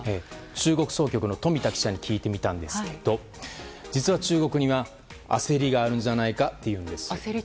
中国総局の富田記者に聞いてみたんですが実は中国には、焦りがあるんじゃないかというんです。